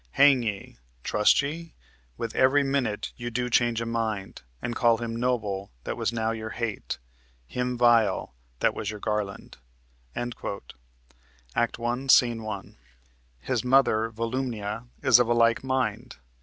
Hang ye! Trust ye? With every minute you do change a mind, And call him noble that was now your hate, Him vile that was your garland." (Act 1, Sc. 1.) His mother, Volumnia, is of like mind.